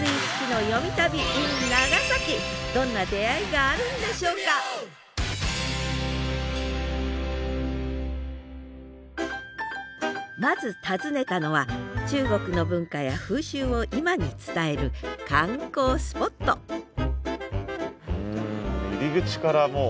どんな出会いがあるんでしょうかまず訪ねたのは中国の文化や風習を今に伝える観光スポットうん入り口からもう中国感が。